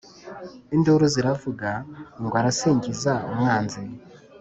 Induru ziravuga, Ngo arasingiza «umwanzi»;